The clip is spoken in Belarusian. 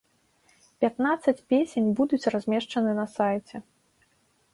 Пятнаццаць песень будуць размешчаны на сайце.